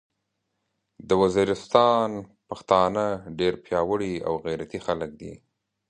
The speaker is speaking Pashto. د ویزیریستان پختانه ډیر پیاوړي او غیرتي خلک دې